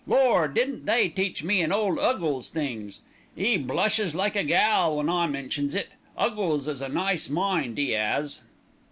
Lord, didn't they teach me an' ole 'Uggles things! 'E blushes like a gal when I mentions it. 'Uggles 'as a nice mind, 'e 'as.